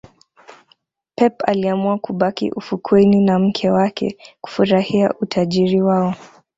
pep aliamua kubaki ufukweni na mke wake kufurahia utajiri wao